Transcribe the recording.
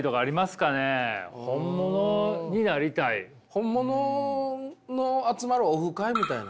本物の集まるオフ会みたいな。